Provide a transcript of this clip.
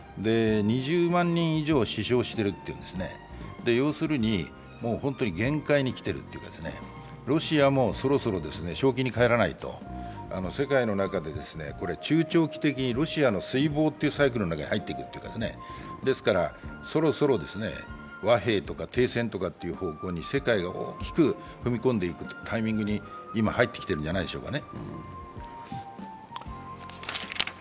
２０万人以上死傷しているというんですね、要するに限界にきているというかロシアもそろそろ正気に返らないと、世界の中で中長期的にロシアの衰亡というサイクルに入ってくるというか、ですから、そろそろ和平とか停戦という方向に世界が大きく踏み込んでいくタイミングに今、入ってきているんじゃないでしょうか。